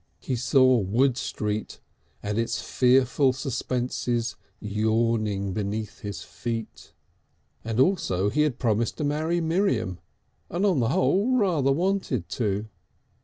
He saw Wood Street and its fearful suspenses yawning beneath his feet. And also he had promised to marry Miriam, and on the whole rather wanted to.